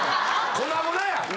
粉々や。